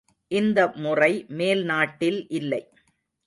இந்த முறை மேல் நாட்டில் இல்லை.